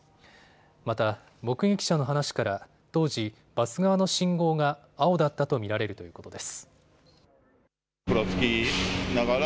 また、目撃者の話から当時、バス側の信号が青だったと見られるということです。